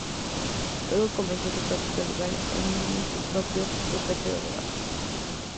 Luego comenzó su práctica legal en su propio bufete de abogados.